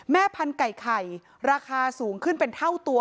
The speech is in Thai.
พันธุไก่ไข่ราคาสูงขึ้นเป็นเท่าตัว